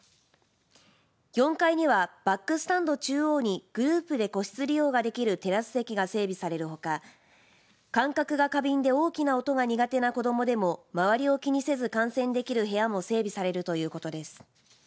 ４階にはバックスタンド中央にグループで個室利用ができるテラス席が整備されるほか感覚が過敏で大きな音が苦手な子どもでも周りを気にせず観戦できる部屋も整備されるということです。